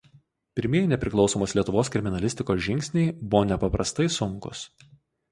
Pirmieji nepriklausomos Lietuvos kriminalistikos žingsniai buvo nepaprastai sunkūs.